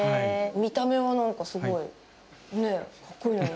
見た目は、なんかすごいかっこいいのに。